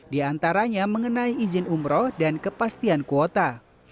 di antaranya mengenai izin umroh dan kepastian kuota